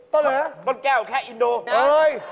ต้นอะไรวะต้นแก้วแคะอินโดเอ้ย